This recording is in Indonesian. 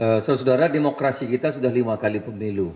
saudara saudara demokrasi kita sudah lima kali pemilu